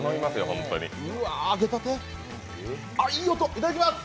いただきます。